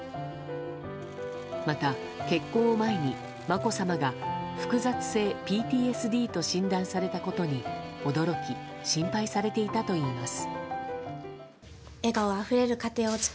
また、結婚を前にまこさまが複雑性ＰＴＳＤと診断されたことに驚き心配されていたといいます。